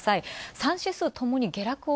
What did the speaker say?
３指数、ともに下落。